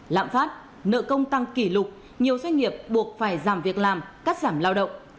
lạm phát nợ công tăng kỷ lục nhiều doanh nghiệp buộc phải giảm việc làm cắt giảm lao động